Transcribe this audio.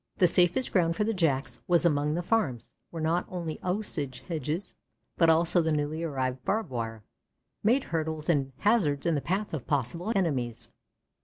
The safest ground for the Jacks was among the farms, where not only Osage hedges, but also the newly arrived barb wire, made hurdles and hazards in the path of possible enemies.